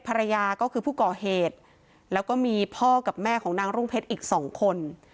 ภรรยาก็คือผู้ก่อเหตุแล้วก็มีพ่อกับแม่ของนางรุ่งเพชรอีกสองคน